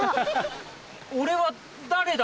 俺は誰だ？